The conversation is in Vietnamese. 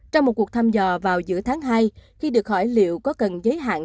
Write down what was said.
trong một cuộc thăm dò vào giữa tháng hai khi được hỏi liệu có cần giới hạn